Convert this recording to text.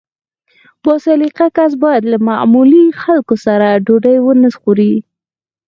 با سلیقه کس باید له معمولي خلکو سره ډوډۍ ونه خوري.